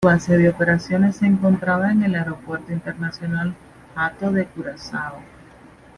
Su base de operaciones se encontraba en el Aeropuerto Internacional Hato de Curazao.